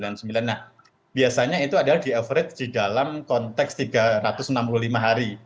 nah biasanya itu adalah di average di dalam konteks tiga ratus enam puluh lima hari